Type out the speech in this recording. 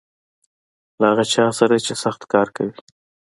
له هغه چا سره چې سخت کار کوي .